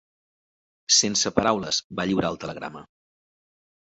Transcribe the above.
Sense paraules, va lliurar el telegrama.